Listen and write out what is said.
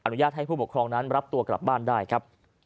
อุญาตให้ผู้ปกครองนั้นรับตัวกลับบ้านได้ครับ